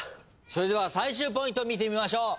それでは最終ポイント見てみましょう。